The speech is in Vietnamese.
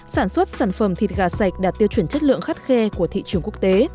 sản xuất sản phẩm thịt gà sạch đạt tiêu chuẩn chất lượng khắt khe của thị trường quốc tế